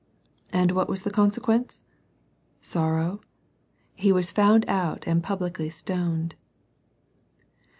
And what was the consequence ? Sorrow. He was found out, and publicly stoned.